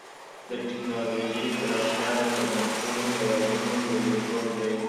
د ټکنالوجۍ پراختیا د پرمختللو هېوادونو لومړیتوب دی.